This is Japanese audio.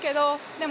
でも、